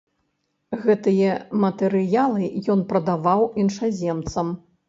Гэтыя матэрыялы ён прадаваў іншаземцам.